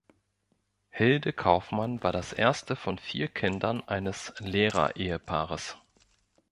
Hilde Kaufmann war das erste von vier Kindern eines Lehrerehepaares.